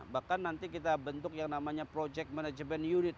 bahkan nanti kita bentuk yang namanya project management unit